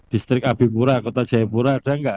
distrik ab pura kota jaipura ada gak